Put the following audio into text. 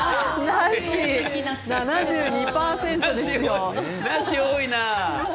なし多いな。